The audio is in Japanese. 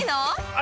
あ！